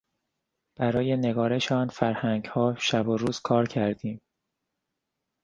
برای نگارش آن فرهنگها شب و روز کار کردیم.